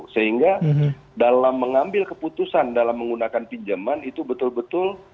sehingga dalam mengambil keputusan dalam menggunakan pinjaman itu betul betul